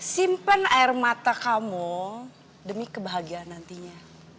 simpan air mata kamu demi kebahagiaan nantinya